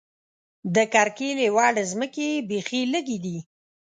د کرکیلې وړ ځمکې یې بېخې لږې دي.